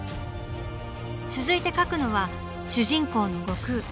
続いて描くのは主人公の悟空。